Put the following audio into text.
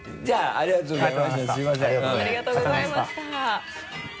ありがとうございます。